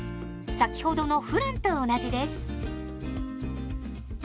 先ほどのフランと同じです。